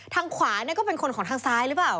ทางขวาเนี่ยก็เป็นคนของทางซ้ายหรือเปล่า